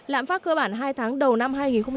lãm phát cơ bản hai tháng đầu năm hai nghìn một mươi tám